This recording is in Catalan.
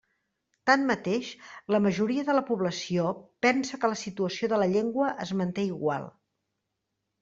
Tanmateix, la majoria de la població pensa que la situació de la llengua es manté igual.